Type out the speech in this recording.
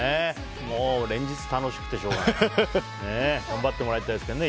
もう連日、楽しくてしょうがない。頑張ってもらいたいですけどね。